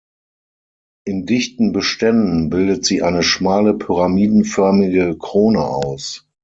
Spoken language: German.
In dichten Beständen bildet sie eine schmale pyramidenförmige Krone aus.